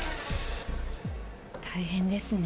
大変ですね。